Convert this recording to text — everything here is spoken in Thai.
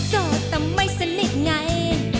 ก็แต่ไม่สนิทไง